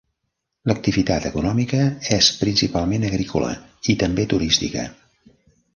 L'activitat econòmica és principalment agrícola i també turística.